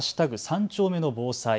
３丁目の防災。